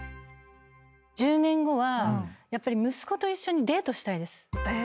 １０年後はやっぱり息子と一緒にデートしたいです。